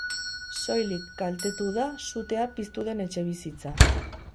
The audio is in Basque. Soilik kaltetu da sutea piztu den etxebizitza.